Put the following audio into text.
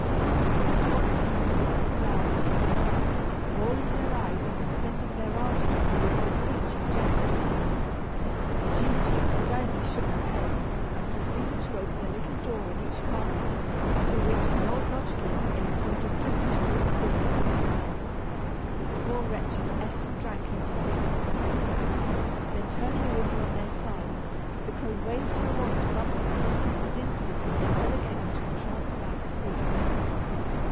At once the sleepers aroused and sat up, rolling their eyes and extending their arms to her with a beseeching gesture. The G. G. sternly shook her head, and proceeded to open a little door in each casket, through which the old lodge keeper gave food and drink to all the prisoners in turn. The poor wretches ate and drank in silence, then turning over on their sides, the crone waved her wand above them, and instantly they fell again into a trance like sleep.